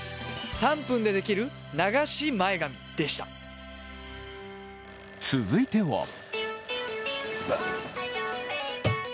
３分でできる流し前髪でした続いては。